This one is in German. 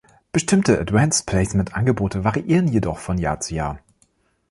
Bestimmte Advanced-Placement-Angebote variieren jedoch von Jahr zu Jahr.